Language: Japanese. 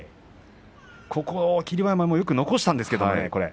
最後は霧馬山もよく残したんですけれどもね。